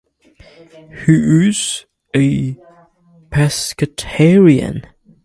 He is a pescatarian.